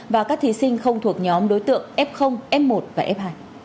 và các thí sinh không thuộc nhóm đối tượng f f một và f hai